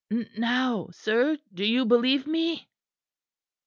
"N now, sir, do you believe me?"